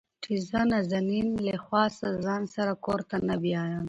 چې زه نازنين له حواسه ځان سره کور ته نه بيايم.